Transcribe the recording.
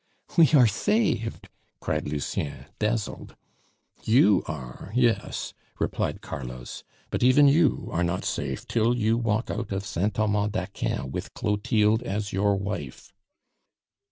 "We are saved!" cried Lucien, dazzled. "You are, yes!" replied Carlos. "But even you are not safe till you walk out of Saint Thomas d'Aquin with Clotilde as your wife."